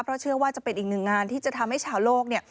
เพราะเชื่อว่าจะเป็นอีกหนึ่งงานที่จะทำให้ชาวโลกเนี่ย